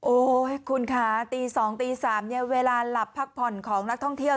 โอ้โหคุณค่ะตี๒ตี๓เนี่ยเวลาหลับพักผ่อนของนักท่องเที่ยว